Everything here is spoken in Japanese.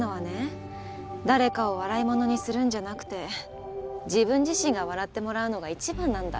誰かを笑いものにするんじゃなくて自分自身が笑ってもらうのが一番なんだ。